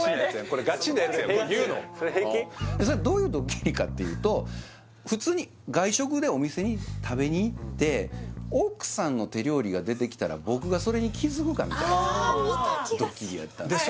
それはどういうドッキリかっていうと普通に外食でお店に食べに行って奥さんの手料理が出てきたら僕がそれに気づくかみたいな見た気がするドッキリやったんです